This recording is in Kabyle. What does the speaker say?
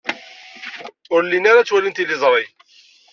Ur llin ara ttwalin tiliẓri.